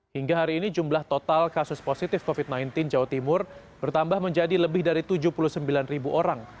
hingga hari ini jumlah total kasus positif covid sembilan belas jawa timur bertambah menjadi lebih dari tujuh puluh sembilan ribu orang